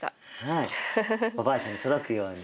はいおばあちゃんに届くように。